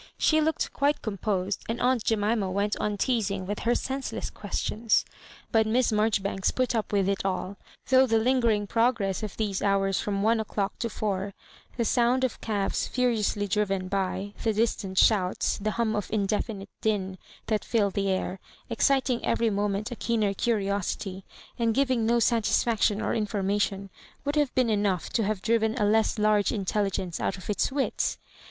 She looked quite composed, and aunt Jenfima went on teasing with her senseless questions. But Miss Marjoribanks put up with it all; though the lingering progress of these Digitized by VjOOQIC 168 MISS ICABJOBIBANES. bours from one o'clock to four, the sound of cabs furiously driven bj, the distant shouts, the hum of indefinite din that filled the air, ex citing every moment a keener curiosity, and giving no satisfaction or information, would have been enough to have driven a less large intelligence out of its wits.